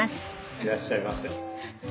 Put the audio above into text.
いらっしゃいませ。